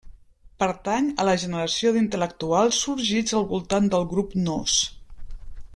Pertany a la generació d'intel·lectuals sorgits al voltant del grup Nós.